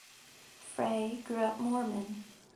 Frey grew up Mormon.